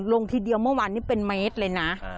ทีเดียวเมื่อวานนี้เป็นเมตรเลยนะ